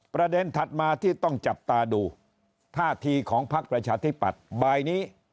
ประเด็นถัดมาที่ต้องจับตาดูธาษีของภัคดิ์ประชาธิปัตย์บายนี้